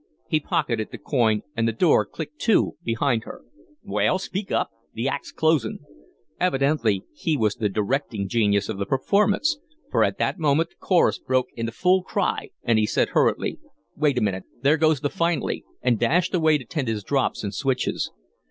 He pocketed the coin and the door clicked to behind her. "Well, speak up. The act's closin'." Evidently he was the directing genius of the performance, for at that moment the chorus broke into full cry, and he said, hurriedly: "Wait a minute. There goes the finally," and dashed away to tend his drops and switches.